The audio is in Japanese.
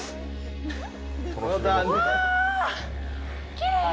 きれい！